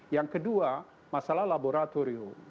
yang kedua masalah laboratorium